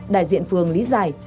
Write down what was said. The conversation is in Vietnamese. đại diện phương lý giải